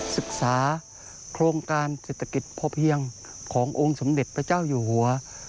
ศึกษาโครงการเศรษฐกิจพอเพียงขององค์สมเด็จพระเจ้าอยู่หัว